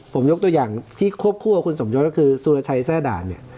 ผมยกตัวอย่างที่ควบคู่กับคุณสมยศก็คือสุรชัยแทร่ด่านเนี่ย